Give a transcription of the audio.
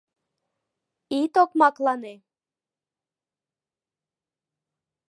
— Ит окмаклане!